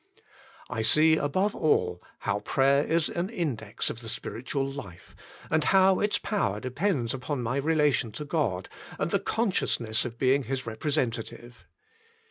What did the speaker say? I see above all how prayer is an index of the spiritual life, and how its power depends upon my relation to God, and the consciousness of being 30 The Inner Chamber His representative.